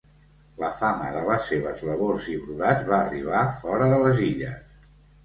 La fama de les seves labors i brodats va arribar fora de les illes.